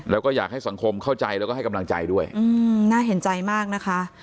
แล้วก็อยากให้สังคมเข้าใจแล้วก็ให้กำลังใจด้วยอืมน่าเห็นใจมากนะคะ